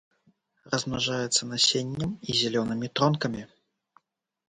Размнажаецца насеннем і зялёнымі тронкамі.